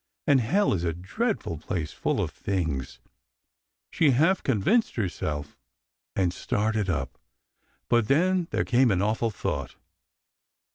And hell is a dreadful place, full of things. She half convinced her self, and started up, but then there came an awful thought.